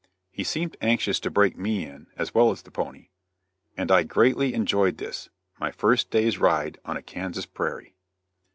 He seemed anxious to break me in, as well as the pony, and I greatly enjoyed this, my first day's ride on a Kansas prairie.